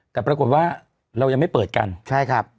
แต่ปรากฏว่าเรายังไม่เปิดกันใช่ครับ